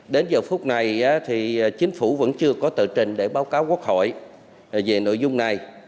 đến giờ phút này thì chính phủ vẫn chưa có tờ trình để báo cáo quốc hội về nội dung này